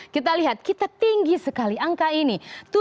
kita lihat kita tinggi sekali angka ini